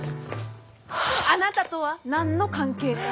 あなたとは何の関係も。